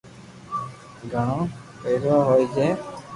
گھڙو پيروا ھوئي ھي